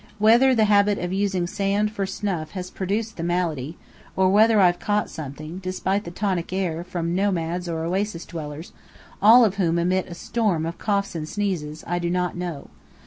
Whether the habit of using sand for snuff has produced the malady, or whether I've caught something (despite the tonic air) from nomads or oasis dwellers, all of whom emit a storm of coughs and sneezes, I do not know.